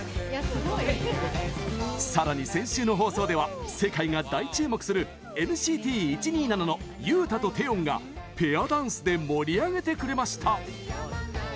さらに、先週の放送では世界が大注目するＮＣＴ１２７のユウタとテヨンがペアダンスで盛り上げてくれました。